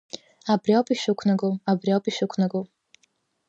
Абри ауп ишәықәнаго, абри ауп ишәықәнаго!